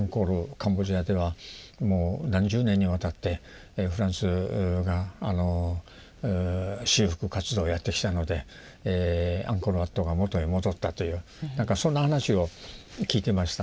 カンボジアではもう何十年にわたってフランスが修復活動をやってきたのでアンコール・ワットが元へ戻ったというなんかそんな話を聞いてました。